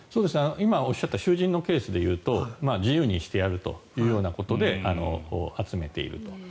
今おっしゃった囚人のケースで言うと自由にしてやるということで集めていると。